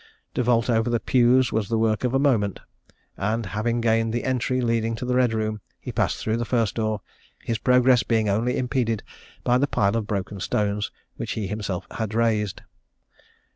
To vault over the pews was the work of a moment; and having gained the entry leading to the Red Room, he passed through the first door, his progress being only impeded by the pile of broken stones, which he himself had raised.